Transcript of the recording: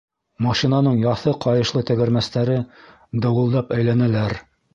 Машинаның яҫы ҡайышлы тәгәрмәстәре дыуылдап әйләнәләр.